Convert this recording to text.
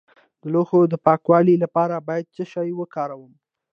د لوښو د پاکوالي لپاره باید څه شی وکاروم؟